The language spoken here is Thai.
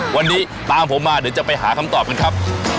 วันนี้ตามผมมาเดี๋ยวจะไปหาคำตอบกันครับ